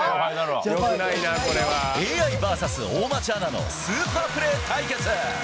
ＡＩｖｓ大町アナのスーパープレー対決！